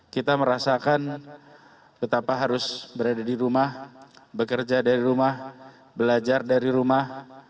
kita merasakan betapa harus berada di rumah bekerja dari rumah belajar dari rumah